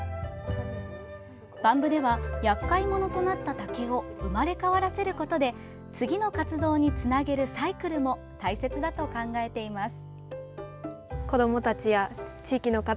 ＢＡＭ部ではやっかいものとなった竹を生まれ変わらせることで次の活動につなげるサイクルも大切だと考えています。